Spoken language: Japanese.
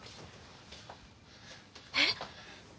えっ！？